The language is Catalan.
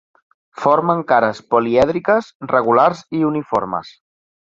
Formen cares polièdriques regulars i uniformes.